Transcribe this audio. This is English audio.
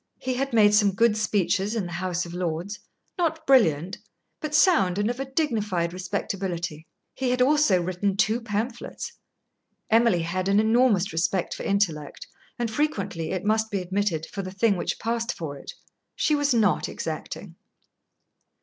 He had made some good speeches in the House of Lords, not brilliant, but sound and of a dignified respectability. He had also written two pamphlets. Emily had an enormous respect for intellect, and frequently, it must be admitted, for the thing which passed for it. She was not exacting.